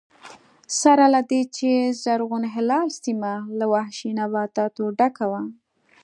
سره له دې چې زرغون هلال سیمه له وحشي نباتاتو ډکه وه